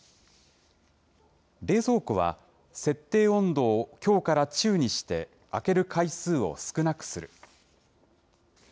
冷蔵庫は、設定温度を強から中にして、開ける回数を少なくする。